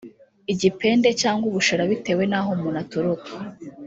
igipende cyangwa ubushera bitewe n’aho umuntu aturuka